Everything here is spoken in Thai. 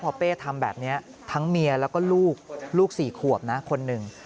พอเป้ทำแบบนี้ทั้งเมียแล้วก็ลูกลูก๔ขวบนะคนหนึ่ง